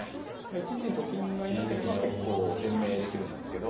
１一にと金がいなければ結構延命できるんですけど。